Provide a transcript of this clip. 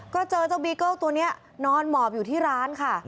ก็เจอเจ้าบีเกิ้ลตัวนี้นอนหมอบอยู่ที่ร้านค่ะ